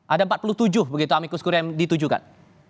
ada empat puluh tujuh begitu amikus kure yang ditujukan